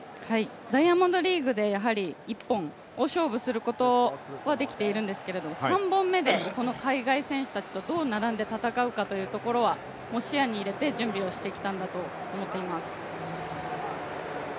ダイヤモンドリーグで１本、大勝負することはできているんですけど、３本目で海外選手たちとどう並んで戦うかというところを視野に入れて準備をしてきたんだと思っています。